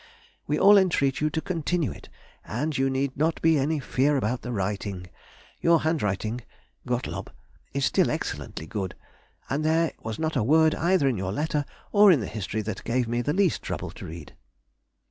We all entreat you to continue it, and you need not be in any fear about the writing. Your handwriting (Gottlob) is still excellently good, and there was not a word either in your letter or in the "History" that gave me the least trouble to read....